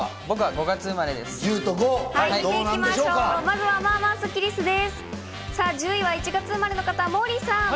僕は５月生まれです。